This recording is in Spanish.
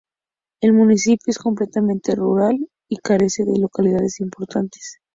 El municipio es completamente rural y carece de localidades importantes.